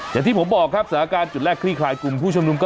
อย่างที่ผมบอกครับสถานการณ์จุดแรกคลี่คลายกลุ่มผู้ชมนุมก็